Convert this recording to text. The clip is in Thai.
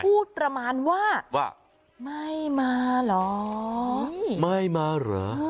พูดประมาณว่าว่าไม่มาเหรอไม่มาเหรอ